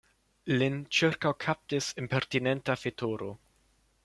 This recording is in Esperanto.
Lin ĉirkaŭkaptis impertinenta fetoro.